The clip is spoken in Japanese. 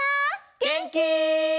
げんき？